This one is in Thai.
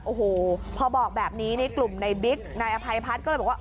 โอ้โหพอบอกแบบนี้นี่กลุ่มในบิ๊กนายอภัยพัฒน์ก็เลยบอกว่า